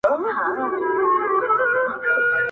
او پر لار د طویلې یې برابر کړ-